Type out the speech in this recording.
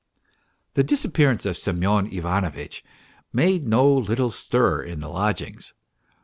The disappearance of Semyon Ivanovitch made no little stir in the lodgings.